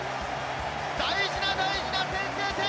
大事な大事な先制点。